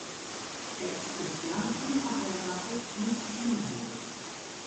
Er ist bislang unverheiratet und kinderlos.